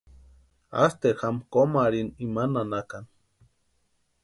Asteru jáma kómu arhini imani nanakani.